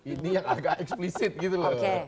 ini yang agak eksplisit gitu loh